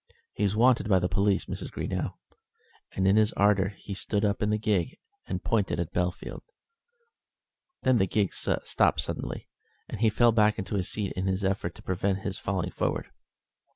"He's wanted by the police, Mrs. Greenow," and in his ardour he stood up in the gig and pointed at Bellfield. Then the gig stopped suddenly, and he fell back into his seat in his effort to prevent his falling forward.